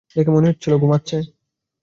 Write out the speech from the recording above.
দেখে মনে হচ্ছিল ঘুমাচ্ছে।